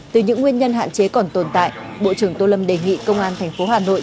từ những nguyên nhân hạn chế còn tồn tại bộ trưởng tô lâm đề nghị công an tp hà nội